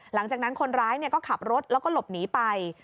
หลังจากนั้นคนร้ายก็ขับรถแล้วก็หลบหนีไป